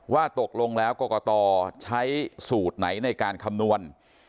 ว่าตกลงแล้วกรกตใช้สูตรไหนในการคำนวณ